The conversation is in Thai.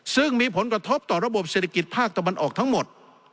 ซึ่งมีผลกระทบต่อระบบเศรษฐกิจภาคตะวันออกทั้งหมด